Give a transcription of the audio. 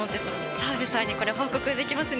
澤部さんにこれ報告できますね。